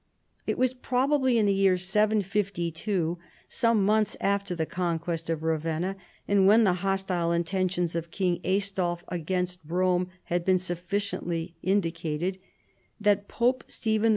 It was probably in the year 752, some months after the conquest of Ravenna, and when the hostile intentions of King Aistulf against Rome had been sufficiently indicated, that Pope Stephen II.